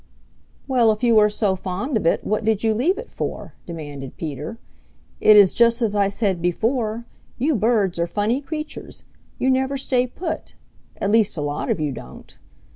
"Well, if you are so fond of it what did you leave it for?" demanded Peter. "It is just as I said before you birds are funny creatures. You never stay put; at least a lot of you don't.